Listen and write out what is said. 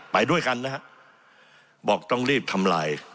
ไปด้วยกันนะฮะบอกต้องรีบทำลาย